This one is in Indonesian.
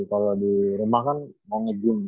kalau di rumah kan mau nge gym